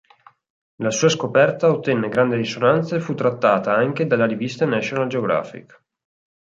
La sua scoperta ottenne grande risonanza e fu trattata anche dalla rivista National Geographic.